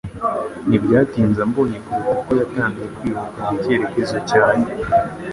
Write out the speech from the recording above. Ntibyatinze ambonye kuruta uko yatangiye kwiruka mu cyerekezo cyanjye.